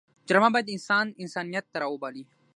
ډرامه باید انسانان انسانیت ته راوبولي